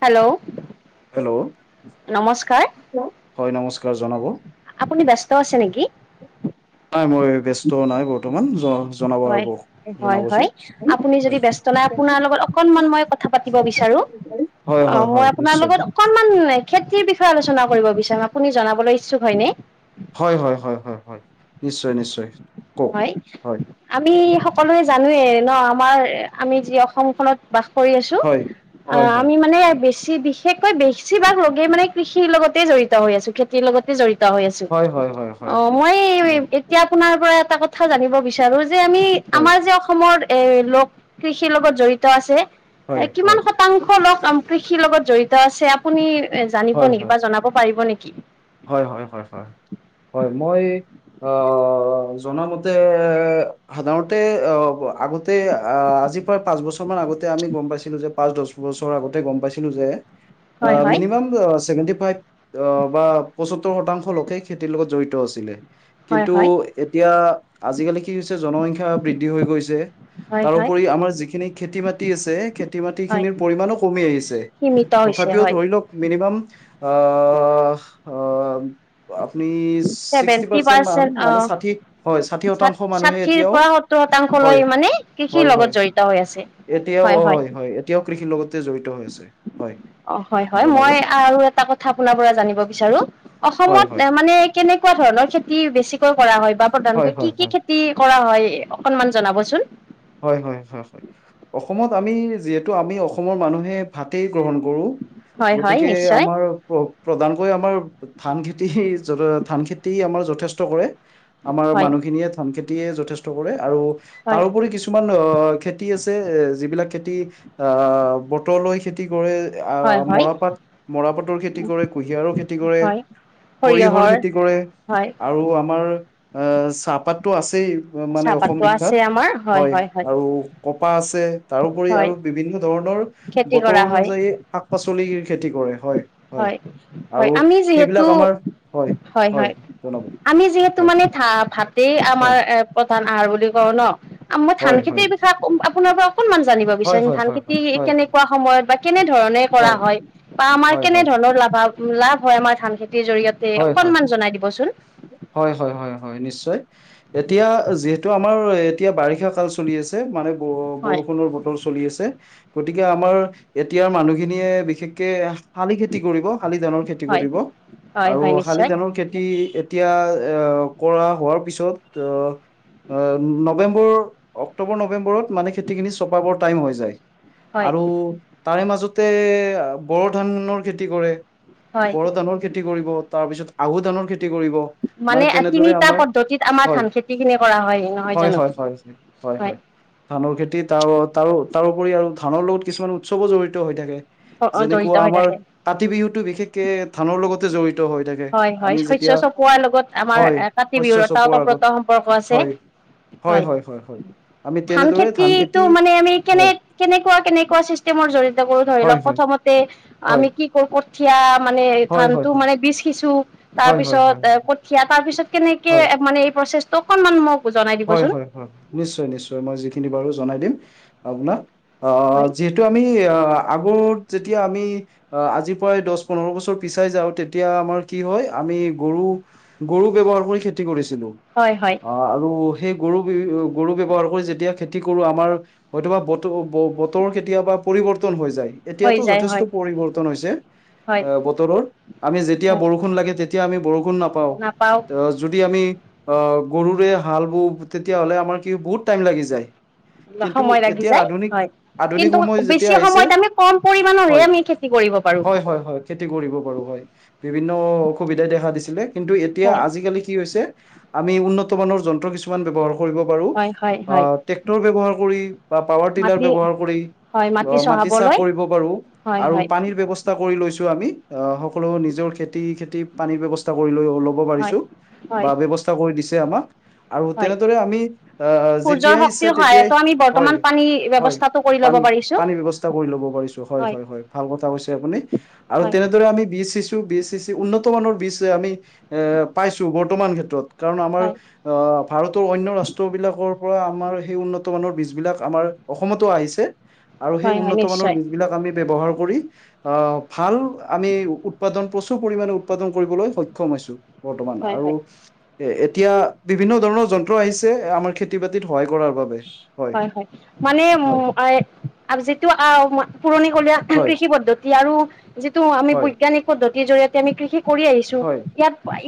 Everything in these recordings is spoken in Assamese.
হেল্ল'। হেল্ল', নমস্কাৰ হয়, নমস্কাৰ জনাব। আপুনি, ব্যস্ত আছে নেকি? নাই, মই ব্যস্ত নাই বৰ্তমান। জনাব হয়, আৰু হয়, হয়, জনাবচোন আপুনি যদি হয় ব্যস্ত নাই, আপোনাৰ লগত অকনমান মই ক কথা পাতিব বিচাৰোঁ, হয় অ', হয় মই হয় আপোনাৰ নিশ্চয় লগত অকনমান খেতিৰ বিষয়ে আলোচনা কৰিব বিচাৰোঁ, আপুনি জনাবলৈ ইচ্ছুক হয়নে? হয়, হয়, হয়, হয়, হয়, নিশ্চয়, নিশ্চয়। কওক হয়, হয় আমি সকলোৱে জানে ন, আমাৰ আমি যি অসমখনত বাস কৰি আছোঁ, হয় হয় আহ, হয় আমি মানে বেছি বেছি বিশেষকৈ, বেছিভাগ লোকেই মানে কৃষিৰ লগতে জড়িত হৈ আছোঁ, খে খেতিৰ লগতে জড়িত হৈ আছোঁ, হয় হয় হয় হয় অ', হয় মই এই, হয় এতিয়া আপোনাৰ পৰা এটা কথা জানিব বিচাৰোঁ যে, আমি হয় আমাৰ যে অসমৰ এ লোক কৃষিৰ লগত জড়িত আছে, হয় এ হয় কিমান শতাংশ লোক কৃষিৰ লগত জড়িত আছে, আপুনি জানিব হয় নেকি, বা জনাব পাৰিব নেকি। হয়, হয়, হয়, হয়, মই এই অ', জনা মতে, সাধাৰণতে অ', আগতে আজি পাঁচ বছৰ মান আগতে আমি গম পাইছিলোঁ যে, পাঁচ, দহ বছৰ আগতে, গম পাইছিলোঁ যে আ, হয় হয় মিনিমাম ছেভেনটি ফাইভ বা পঁসত্তৰ শতাংশ লোকেই খেতিৰ লগত জড়িত আছিলে। হয় কিন্তু হয় এতিয়া আজিকালি কি হৈছে জনসংখ্যা বৃদ্ধি হৈ গৈছে। হয় হয় তাৰোপৰি আমাৰ যিখিনি খেতি মাটি আছে খেতি হয় মাটিখিনিৰ পৰিমমাণো কমি আহিছে। সীমিত হৈছে তথাপিও হয়। ধৰি লওক মিনিমাম আ, আ আপনি ছিক্সটি চেভেন্টি পাৰ্চেণ্ট মান পাৰ্চেন্ট অ মানে ষাঠী হয় ষাঠী শতাংশ মানুহে ষাঠিৰ এতিয়া পৰা সত্তৰ শতাংশ লৈ মানে কৃষিৰ হয় লগত জড়িত হৈ আছে। এতিয়াও অ' হয় এতিয়াও কৃষিৰ লগতে জড়িত হৈ আছে হয়। অ' হয় হয় জনাব মই আৰু এটা কথা আপোনাৰ পৰা জানিব বিচাৰো হয় হয় অসমত মানে কেনেকুৱা ধৰণৰ খেতি বেছিকৈ কৰা হয় বা প্ৰধানকৈ হয় কি হয় কি খে তি কৰা হয় অকনমান জনাবচোন। হয় হয়, হয় হয় অসমত আমি যিহেতু আমি অসমৰ মানুহে ভাতেই গ্ৰহণ কৰোঁ হয় হয় গতিকে নিশ্চয় আমাৰ প্ৰধানকৈ আমাৰ ধান খেতি ধান খেতি আমাৰ যথেষ্ট কৰে। আমাৰ হয় মানুহখিনিয়ে ধান খেতিয়ে যথেষ্ট কৰে আৰু হয় তাৰোপৰি কিছু কিছুমান অ' খেতি আছে এ, যিবিলাক খেতি আ, ব বতৰলৈ খেতি কৰে, হয় আহ, হয় মৰাপাট মৰাপাটৰ খেতি কৰে, কুঁহিয়াৰো খেতি কৰে। হয় সৰিয়হৰ খেতি কৰে হয় আৰু আমাৰ এ, চাহপাতটো আছেই। মানে অসম চাহপাতটো বিখ্যাত। আছে আমাৰ হয় হয় হয়। কপাহ আছে তাৰোপৰি হয় আৰু বিভিন্ন ধৰণৰ খেতি বতৰ কৰা হয় অনুযায়ী শাক পাচলিৰ খেতি কৰে হয়। হয় হয় আৰু আমি যিহেতু সেইবিলাক আমাৰ, হয় হয় জনাব। আমি যিহেতু হয় মানে ভা-ভাতেই আমাৰ হয় এ প্ৰধান আহাৰ বুলি কওঁ ন' মই ধান হয় খেতি হয় বি আপোনাৰ পৰা অকনমান জানিব হয় বিচাৰিম, হয় ধান হয় খেতি হয় কেনেকুৱা সময়ত বা কেনে ধৰণে কৰা হয় বা আমাৰ হয় লাভ লাভ হয় আমাৰ ধান খেতিৰ জৰিয়তে হয় হয় হয় অকনমান জনাই দিবচোন। হয় হয় হয় হয় নিশ্চয়, এতিয়া যিহেতু আমাৰ এতিয়া বাৰিষা কাল চলি আছে মানে হয় ব-বৰষুণৰ বতৰ চলি আছে। গতিকে আমাৰ এতিয়াৰ মানুহখিনিয়ে বিশেষকে শালি খেতি কৰিব, শালি ধানৰ খেতি হয় কৰিব। হয় আৰু হয় শালি নিশ্চয় ধানৰ খেতি এতিয়া এ, কৰা হোৱাৰ পিছত আহ আ, নৱেম্বৰ, অক্টোবৰ নৱেম্বৰত মানে খেতিখিনি চপাবৰ টাইম হৈ যায়। হয় আৰু তাৰে মাজতে বৰু ধানৰ খেতি কৰে। হয়। বৰু ধানৰ খেতি কৰিব তাৰ পিছত আহু ধানৰ খেতি কৰিব। মানে তেনেদৰে তিনিটা আমাৰ, পদ্ধতিত আমাৰ হয়, ধান খেতি খিনি কৰা নহয় হয় জানো হয় হয়, হয় হয়। ধানৰ খেতি তাৰ তাৰো তাৰোপৰি আৰু ধানৰ লগত কিছুমান উৎসৱো জড়িত হৈ থাকে। জড়িত যেনেকুৱা হৈ আমাৰ থাকে। কাতি বিহুতো বিশেষকে ধানৰ লগতে জড়িত হৈ থাকে। হয় হয় আমি শস্য যেতিয়া চপোৱাৰ লগত আমাৰ হয় কাতি শস্য বিহুৰ এটা চপোৱাৰ আগত ওতঃপ্ৰোত সম্পৰ্ক আছে। হয় হয় ধান খেতিটো মানে আমি কেনে হয় কেনেকুৱা কেনেকুৱা চিছ কেমৰ জৰিয়তে কৰোঁ ধৰি হয় লওক হয় প্ৰথমতে হয় আমি কি ক-কঠীয়া মানে হয় হয় ধানটো হয় মানে বি তাৰ হয় হয় পিছত হয় কঠিয়া তাৰ পিছত কেনেকে মানে এই প্ৰচেছটো অকনমান মোক জনাই হয় দিবচোন হয় হয়, নিশ্চয় নিশ্চয় মই যিখিনি পাৰোঁ জনাই দিম আপোনাক আ, হয় যি টো আমি আ, আগত যেতিয়া আমি অ'আজি পৰাই দচ, পোন্ধৰ বছৰ পিছাই যাওঁ তেতিয়া আমাৰ কি হয় আমি গৰু গৰু ব্যৱহাৰ কৰি খেতি কৰিছিলোঁ। হয়, হয়। অ' আৰু সেই গৰু [unintelligible] গৰু ব্যৱহাৰ কৰি যেতিয়া খেতি কৰো আমাৰ হয়তোবা বতৰ- বতৰ কেতিয়াবা পৰিৱৰ্তন হৈ যায়। হৈ এতিয়াতো যায় হয় যথেষ্ট পৰিৱৰ্তন হৈছে হয় অ' বতৰৰ আমি যেতিয়া হয় বৰষুণ লাগে তেত এতিয়া আমি বৰষুণ নাপাওঁ নাপাও যদি আমি অ' গৰুৰে হাল বওঁ তেতিয়া হ'লে আমাৰ কি বহুত টাইম লাগি যায় কিন্তু সময় লাগি এতিয়া যায় আধুনিক হয় আধুনিক কিন্তু সময় বেছি যেতিয়া আহিছে সময়ত আমি কম পৰিমাণৰহে হয়, আমি খেতি কৰিব পাৰো হয়, হয়, হয় খেতি কৰিব পাৰো হয় বিভিন্ন অসুবিধাই দেখা দিছিলে। কিন্তু এতিয়া হয় আজিকালি কি হৈছে আমি উন্নত মানৰ যন্ত্ৰ কিছুমান ব্যৱহাৰ কৰিব পাৰো হয় হয় হয় অ' ট্ৰেক্টৰ ব্যৱহাৰ কৰি বা পাৱাৰ টিলাৰ মাটি ব্যৱহাৰ কৰি হয় মাটি চাহ চহাবলৈ কৰিব পাৰো হয় আৰু হয় পানীৰ ব্যৱচ তা কৰি লৈছো আমি অ' সকলো নিজৰ খেতি-খেতি পানীৰ ব্যৱস্থা কৰি লৈ অলপ [unintelligible] হয় পাৰিছো হয় বা ব্যৱস্থা কৰি দিছে আমাক আৰু হয় তেনেদৰে আমি সূৰ্যৰ অ'যেতিয়াই শক্তিৰ ইচ্ছা তেতিয়াই সহায়তো আমি বৰ্তমান হয়, পানী হয় ব্যৱস্থাটো কৰি ল'ব পাৰিছো পানী-পানী ব্যৱস্থা কৰি লব পাৰিছো হয়, হয়, হয় ভাল কথা কৈছে আপুনি আৰু হয় তেনেদৰে আমি বি এ চিচ তো বি এ চে চে উন্নত মানৰ বিচ এ আমি এ পাইছো বৰ্তমান ক্ষেত্ৰত কাৰণ আমাৰ হয় অ'ভাৰতৰ অন্য ৰাষ্ট্ৰ বিলাকৰ পৰা আমাৰ সেই উন্নত মানৰ বীজবিলাক আমাৰ অসমতো আহিছে আৰু সেই হয় হয় উন্নত মানৰ নিশ্চয় বীজ বিলাক আমি ব্যৱহাৰ কৰি অ'ভাল আমি উৎপাদন প্ৰচুৰ পৰিমানে উৎপাদন কৰিবলৈ সক্ষম হৈছো বৰ্তমান হয় আৰু হয় এ এতিয়া বিভিন্ন ধৰণৰ যন্ত্ৰ আহিছে আমাৰ খেতি- বাতিত সহায় কৰাৰ বাবে। হয়, হয় মানে হয় উম, [unintelligible] যিটো আ, মই পুৰণিকলীয়া হয় কৃষি পদ্ধত তি আৰু যিটো আমি হয়, বৈজ্ঞানিক পদ্ধতিৰ জৰিয়তে আমি কৃষি কৰি আহি ছোঁ হয়,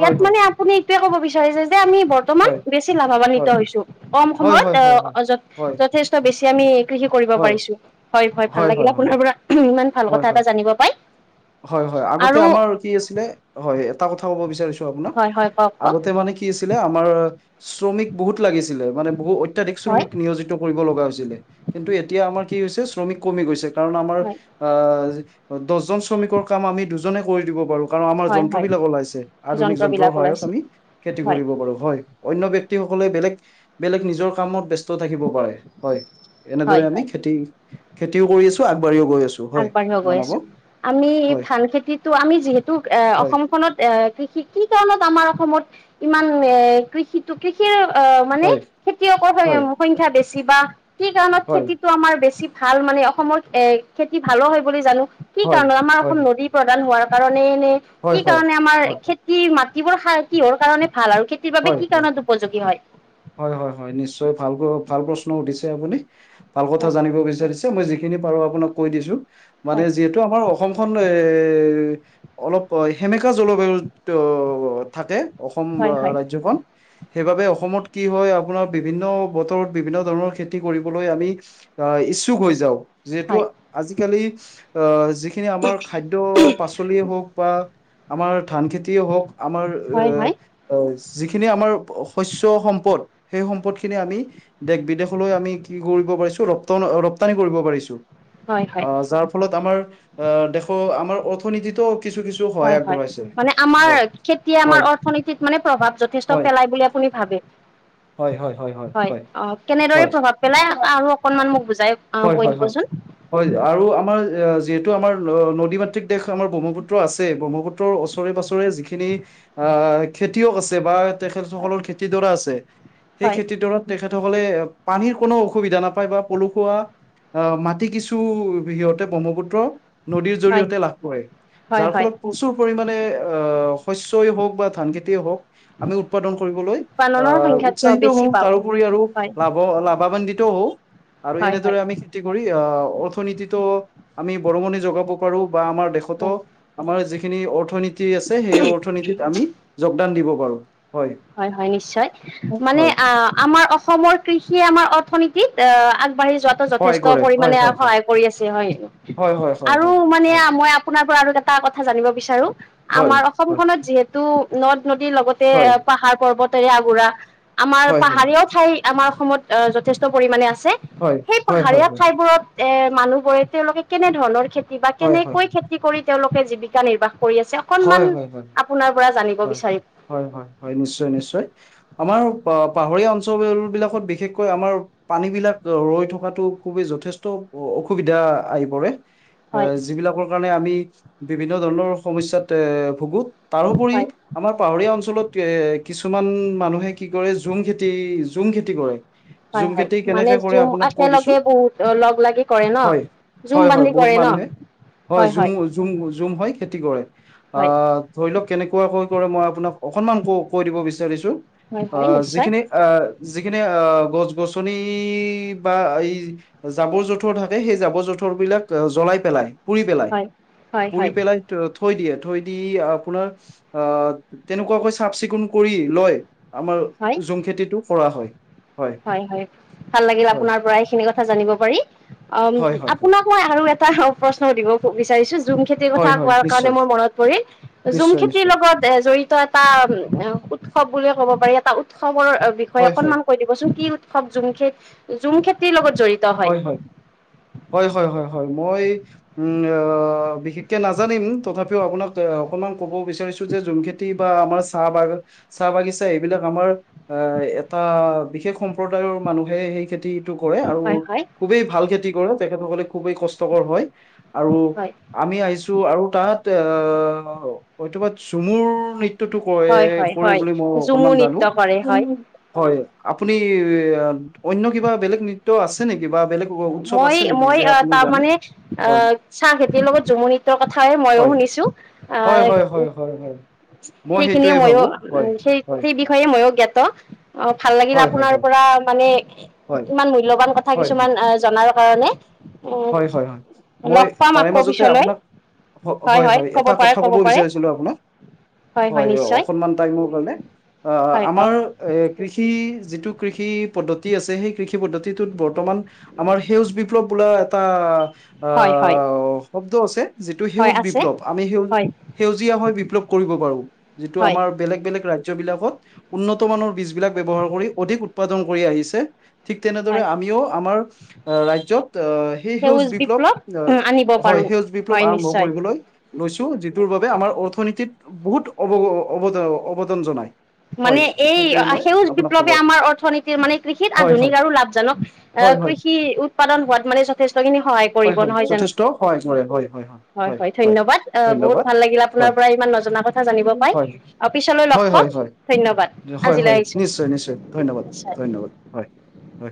হয়, হয়, হয়, মানে আপুনি এইটোয়ে ক'ব বিচাৰিছে যে আমি বৰ বৰ্তমান হয়, বেছি লাভৱান্বিত হৈছো কম হয়, সময়ত হয়, হয়, হয়। অ'যথেষ্ট বেছি আমি কৃষি কৰিব হয়, পাৰিছো হয়, হয় ভাল লাগিল পৰা ইমান ভাল হয়, কথা হয়, এটা জানিব পাই। হয়, হয় আগতে আৰু আমাৰ কি আছিল হয় এটা কথা ক' ব বিছাৰিছো আপোনাক হয় হয় কওক কওক আগতে মা মানে কি আছিলে আমাৰ শ্ৰমিক বহুত লাগিছিলে মানে বহু অত্যাধিক হয় শ্ৰমিক নিয়জিত কৰিব লগা হৈছিলে কিন্তু এতিয়া আমাৰ কি হৈছে শ্ৰমিক কমি গৈছে কাৰণ আমাৰ হয় আ যে দছজন শ্ৰমিকৰ কাম আমি দুজনে কৰি দিব পাৰো। কাৰণ আমাৰ হয় হয় যন্ত্ৰবিলাক ওলাইছে আধুনিক যন্ত্ৰৰ যন্ত্ৰবিলাক সহায়ত ওলাইছে আমি খেতি হয় কৰিব পাৰো হয়। অন্য ব্যক্তিসকলে বেলেগ, বেলেগ নিজৰ কামত ব্যস্ত থাকিব পাৰে হয়। এনেদৰে হয় আমি হয় খেতি-খেতিও কৰি আছো আগবাঢ়িও গৈ আছো। হয় আগবাঢ়িব গৈ জনাব আছো আমি হয় ধান খেতিটো আমি যিহেতু এ হয় অসমখনত এ কৃষি কি কাৰণত আমাৰ অসমত ইমান এ কৃষিত টো কৃষিৰ অ'মানে হয় খেতিয়কৰ হয় সংখ্যা বেছি বা কি কাৰণত হয় খেতিত ত'আমাৰ বেছি ভাল মানে অসমৰ এ খেতি ভালো হয় বুলি জানো কি হয় কাৰণত আমাৰ হয় হয় অসম নদী প্ৰধান হোৱাৰ কাৰণে নে হয় কি হয় কাৰণে আমাৰ হয় খেতি মাটিবোৰ সাৰ কিহৰ কাৰণে ভাল আৰু খেত খেতিৰ বাবে হয় কি হয় কাৰণত উপযোগী হয়। হয়, হয়হয় নিশ্চয় ভাল [unintelligible] ভাল প্ৰশ্ন উঠিছে আপুনি ভাল কথা হয় জানিব বিচাৰিছে ত'মই যিখিনি পাৰো আপোনাক কৈ দিছো মানে হয় যিহেতু আমাৰ অসমখন এ অলপ সেমেকা জলবায়ুত অ'থাকে অসম হয় হয় ৰাজ্যখন সেইবাবে অসমত কি হয় আপোনাৰ বিভিন্ন বতৰত বিভিন্ন ধৰণৰ খেতি কৰিবলৈ আমি অ', ইচ্ছুক হৈ যাওঁ। যিহেতু হয় আজিকালি আহ্ যিখিনি আমাৰ খাদ্য শাক-পাচলিয়ে হওঁক বা আমাৰ ধান খেতিয়ে হওঁক, আমাৰ হয় হয় এ অ', যিখিনি আমাৰ শস্য সম্পদ সেই সম্পদ খিনি আমি দেশ-বিদেশলৈ আমি কি কৰিব পাৰিছোঁ! ৰপ্ত ৰপ্তানি কৰিব পাৰিছোঁ। হয় হয় অ' যাৰ ফলত আমাৰ আহ্ দেশৰ আমাৰ অৰ্থনীতিতো কিছু কিছু সহায় হয় হয়, আগবঢ়াইছে মানে আমাৰ হয় খেতিয়ে আমাৰ হয় অৰ্থনীতি মানে প্ৰভাৱ যথেষ্ট হয় পেলাই বুলি আপুনি ভাবে! হয় হয় হয়। হয়, অ', কেনেদৰে হয় প্ৰভাৱ পেলাই আৰু অকনমান মোক বুজাই অ' হয় কৈ হয় হয় দিবচোন! হয় আৰু আমাৰ যিহেতু আমাৰ নদী মাতৃক দেশ, আমাৰ ব্ৰহ্মপুত্ৰ আছে। ব্ৰহ্মপুত্ৰ তোৰ ওচৰে-পাজৰে যিখিনি অ' খেতিয়ক আছে বা তেখেত সকলৰ খেতিডৰা আছে, সেই হয় খেতিডৰাত তেখেতসকলে পানীৰ কোনো অসুবিধা নাপায়, বা পলসুৱা মাটি কিছু‌ সিহঁতে ব্ৰহ্মপুত্ৰ নদীৰ হয় হয় জৰিয়তে লাভ কৰে, হয় যাৰ হয় ফলত প্ৰচুৰ পৰিমাণে শস্যই হওঁক বা ধান খেতিয়ে হওঁক আমি উৎপাদন কৰিবলৈ উৎপাদনৰ অ', সংখ্যাত উৎসাহিত বেছি হওঁ। পাওঁ তাৰোপৰি আৰু হয় লাভ অ', লাভান্বিতও হওঁ আৰু হয় এনেদৰে হয় আমি কৰি অ', অৰ্থনীতিটো আমি বৰঙণি জোগাব পাৰোঁ, বা আমাৰ দেশতো হয় আমাৰ যিখিনি অৰ্থনীতি আছে, সেই অৰ্থনীতিত আমি যোগদান দিব পাৰোঁ, হয়। হয় হয়, নিশ্চয়। মানে হয় অ' আমাৰ অসমৰ কৃষিয়ে আমাৰ অৰ্থনীতিত আগবাঢ়ি যোৱাত সহায় যথেষ্ট কৰে হয় পৰিমাণে হয় হয়। সহায় কৰি আছে হয়, হয় হয় হয় আৰু হয় মানে হয় মই আপোনাৰ পৰা আৰু এটা কথা জানিব বিচাৰোঁ। হয় আমাৰ অসমখনত যিহেতু নদ-নদীৰ লগতে হয় পাহাৰ-পৰ্বতেৰে আগুৰা, আমাৰ হয় হয় পাহাৰীয়াও ঠাই আমাৰ অসমত আহ্ যথেষ্ট পৰিমাণে আছে। হয় সেই হয় হয় পাহাৰীয়া ঠাইবোৰত অ' মানুহবোৰে তেওঁলোকে কেনে ধৰণৰ খেতি বা হয় হয় কেনেকৈ হয় খেতি খেতি কৰি তেওঁলোকে জীৱিকা নিৰ্বাহ কৰি আছে। অকনমান হয় হয় হয়। আপোনাৰ পৰা জানিব হয় বিচাৰিম। হয় হয় হয়, নিশ্চয় নিশ্চয়। আমাৰ পাহাৰীয়া অঞ্চল বিলাকত বিশেষকৈ আমাৰ পানী বিলাক ৰৈ থকাতো, খুবেই যথেষ্ট অসুবিধা আহি পৰে। হয় অ', যিবিলাকৰ কাৰণে আমি বিভিন্ন ধৰণৰ সমস্যাত এ ভুগো। তাৰোপৰি হয় আমাৰ পাহাৰীয়া অঞ্চলত এ কিছুমান মানুহে কি কৰে, জুম খেতি জুম খেতি কৰে। হয় জুম হয় খেতি মানে কেনেকে কৰে! জুম আপোনাক কৈ দিছোঁ, একেলগে বহুত লগ লাগি কৰে ন হয়। জুম হয় হয়, বান্ধি বহুত কৰে ন মানুহে। হয়, জুম জুম জুম হয় খেতি কৰে। হয় অ' ধৰি লওঁক কেনেকুৱাকৈ কৰে, মই আপোনাক অকনমান কৈ কৈ দিব বিচাৰিছোঁ। হয় হয় নিশ্চয় যিখিনি অ', যিখিনি আহ্ গছ-গছনি বা এই জাবৰ-জোঁথৰ থাকে, সেই জাবৰ-জোঁথৰ বিলাক জ্বলাই পেলাই। পুৰি পেলাই, হয় হয় পুৰি হয় পেলাই থৈ দিয়ে। থৈ দি আপোনাৰ অ', তেনেকুৱাকৈ চাফ-চিকুণ কৰি লৈ, আমাৰ হয় জুম খেতিটো কৰা হয়। হয় হয়, ভাল লাগিল। হয়, আপোনাৰ পৰা এইখিনি কথা জানিব পাৰি। অ', হয়, আপোনাক হয়, হয়, আপোনাক মই আৰু এটা প্ৰশ্ন সুধিব বিচাৰিছোঁ! জুম খেতিৰ কথা হয়, হয় কোৱাৰ কাৰণে নিশ্চয়, মোৰ মনত পৰিল। জুম নিশ্চয়, খেতিৰ নিশ্চয় লগত জড়িত এটা উৎসৱ বুলিয়ে ক'ব পাৰি, এটা উৎসৱৰ বিষয়ে হয়, হয়। অকনমান কৈ দিব। চোন, কি উৎসৱ জুমখেতি, জুম খেতিৰ লগত জড়িত। হয় হয়, হয় হয় হয় হয়। মই উম অ বিশেষকে নাজানিম তথাপিও আপোনাক অকনমান ক'ব বিচাৰিছো যে জুমখিত তি বা আমাৰ চাহ বাগান চাহ বাগিচা এইবিলাক আমাৰ আহ এটা বিশেষ সম্প্ৰদায়ৰ মানুহে সেই খেতি কৰে আৰু হয় হয় খুবেই ভাল খেতি কৰে তেখেতসকলে খুবেই কষ্টকৰ হয় আৰু হয় আমি আহিছো আৰু তাত অ হয়তোবা ঝুমুৰ নৃ ত্যটো কৰে হয় হয় কৰে হয় বুলি মই অকনমান ঝুমুৰ জানো। নৃত্য কৰে হয় হয় আপুনি অন্য কিবা বেলেগ নৃত্য আছে নেকি বা বেলেগ উৎসৱ মই আছে নেকি মই যে অ আপুনি তাৰ জানে মানে অ হয় চাহ খেতিৰ লগত ঝুমুৰ নৃত্যৰ কথা এ মইও হয় শুনিছো। হয় আহ হয় হয় হয় হয় মই সেইখিনিয়ে সেইটোৱে মইয়ো ভাবো হয় সেই হয় সেই বিষয়ে মইয়ো জ্ঞাত অ ভাল লাগিল হয় হয় আপোনাৰ হয় পৰা মানে হয় ইমান মূল্যবান কথা হয় কিছুমান হয় আহ জনাৰ কাৰণে। উম হয় হয় হয় মই লগ পাম তাৰে আকৌ মাজতে পিছলৈ আপোনাক হয় হয় এটা কথা ক'ব বিচাৰিছিলো আপোনাক হয় অকনমান তাইমৰ কাৰণে অ হয় কওক আমাৰ এ কৃষি যিটো কৃষি পদ্ধতি আছে সেই কৃষি পদ্ধতিটোত বৰ্তমান আমাৰ সেউজ বিপ্লৱ বোলা এটা হয় হয় আহ শব্দ আছে যিটো হয় সেউজ আছে বিপ্লৱ আমি সেউজ হয় সেউজীয়া হৈ বিপ্লৱ কৰিব পাৰো যিটো হয় আমাৰ বেলেগ বেলেগ ৰাজ্যবিলাকত উন্নত মানৰ বীজ বিলাক ব্যৱহাৰ কৰি অধিক উৎপাদন কৰি আহিছে ঠিক তেনেদৰে হয় আমিও আমাৰ ৰাজ্যত সি সেউজ বিপ্লৱ আনিব হয় পাৰো সেউজ বিপ্লৱ হয় আৰম্ভ নিশ্চয় কৰিব লৈ লৈছো যিটোৰ বাবে আমাৰ অৰ্থনীতিত বহুত অৱগ অৱদ অৱদান জনাই। মানে এই সেউজ বিপ্লৱে আমাৰ অৰ্থনীতিৰ মানে কৃষিত হয় আধুনিক হয় আৰু লাভজনক আহ হয় হয় কৃষি উৎপাদন হোৱাত মানে যথেষ্টখিনি সহায় হয় কৰিব হয় নহয় জানো যথেষ্ট সহায় কৰে হয় হয় হয় ধন্যবাদ বহুত ধন্যবাদ ভাল লাগিল আপোনাৰ হয় পৰা ইমান নজনা কথা কথা জানিব পাই হয় আৰু পিছলৈ লগ হয় পাম হয় ধন্যবাদ হয় হয় আজিলৈ হয় আহিছোঁ। নিশ্চয় নিশ্চয় ধন্যবাদ ধন্যবাদ হয় হয়